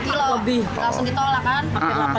tadi tujuh kilometer langsung ditolakkan